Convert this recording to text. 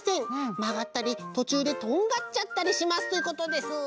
まがったりとちゅうでとんがっちゃったりします」ということです。